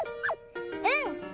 うん！